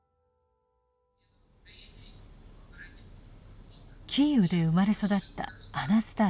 キーウで生まれ育ったアナスターシャさん。